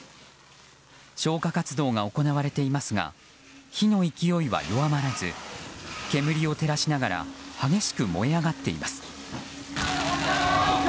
消火活動が行われていますが火の勢いは弱まらず煙を照らしながら激しく燃え上がっています。